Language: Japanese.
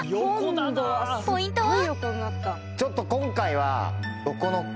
ポイントは？